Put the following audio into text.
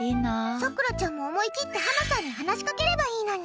さくらちゃんも思い切ってハナさんに話しかければいいのに。